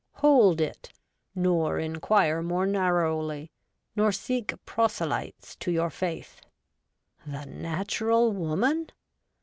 Hold it, nor inquire more narrowly, nor seek proselytes to your faith. The natural woman